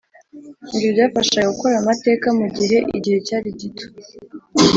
ibyo byafashaga gukora amateka mugihe igihe cyari gito.